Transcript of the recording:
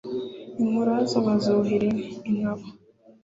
inkurazo nkazuhira inkaba